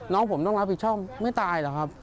น้องผมต้องรับผิดชอบไม่ตายหรอกครับ